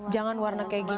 jangan warna kayak gini